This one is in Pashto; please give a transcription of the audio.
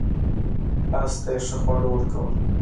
اس ته یې ښه خواړه ورکول.